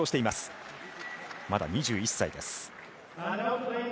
まだ２１歳です。